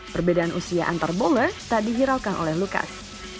perbedaan usia antar bowler tak dihiraukan oleh lukas